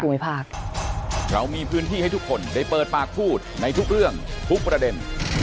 ภาคเรามีพื้นที่ให้ทุกคนได้เปิดปากพูดในทุกเรื่องทุกประเด็น